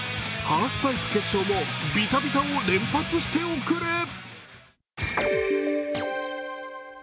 ハーフパイプ決勝もビタビタを連発しておくれ！